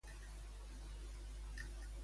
Què és molt rellevant per a Paula?